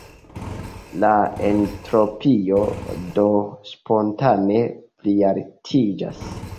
La entropio do spontane plialtiĝas.